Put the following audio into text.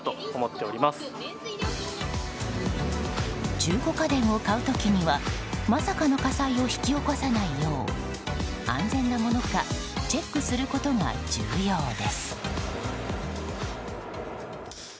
中古家電を買う時にはまさかの火災を引き起こさないよう安全なものかチェックすることが重要です。